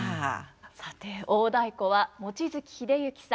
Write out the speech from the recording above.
さて大太鼓は望月秀幸さん